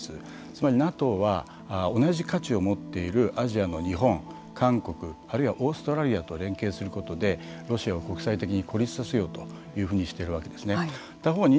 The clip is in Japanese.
つまりＮＡＴＯは同じ価値を持っているアジアの日本韓国あるいはオーストラリアと連携することでロシアを国際的に孤立させようというふうにしているわけですね。